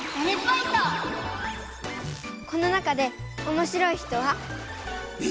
この中でおもしろい人は？え？